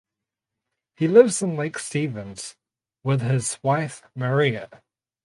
He lives in Lake Stevens with his wife Mariah.